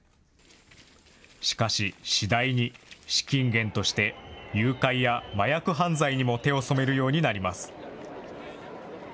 しかし、次第に資金源として誘拐や麻薬犯罪にも手を染めるようになります。